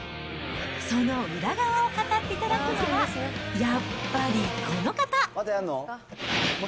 その裏側を語っていただくのは、やっぱりこの方。